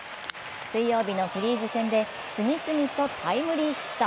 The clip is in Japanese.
水曜日のフィリーズ戦で次々とタイムリーヒット。